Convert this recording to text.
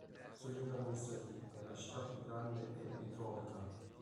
Il suo centro amministrativo e la città più grande è Mitrovica.